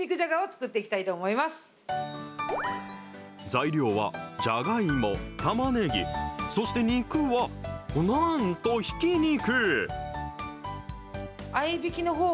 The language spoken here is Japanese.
材料はじゃがいも、たまねぎ、そして肉はなんとひき肉。